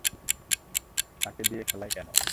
তাকে দিয়ে খেলায় কেন!